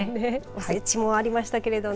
おせちもありましたけれどね。